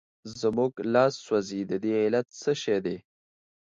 زموږ لاس سوځي د دې علت څه شی دی؟